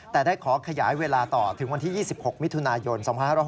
แต่ได้ขอขยายเวลาต่อถึงวันที่๒๖มิถุนายน๒๕๖๖